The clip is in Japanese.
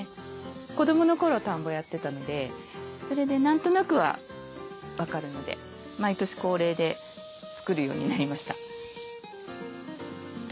子どもの頃田んぼやってたのでそれで何となくは分かるので毎年恒例で作るようになりました。